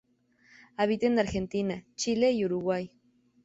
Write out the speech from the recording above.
Habita en Argentina, Chile y Uruguay.